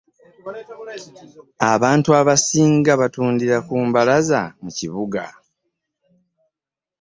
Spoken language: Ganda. abantu abasinga batundira ku mbalaza mu kibuga.